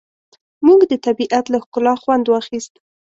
موږ د طبیعت له ښکلا خوند واخیست.